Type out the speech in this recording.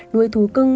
nuôi thú cưng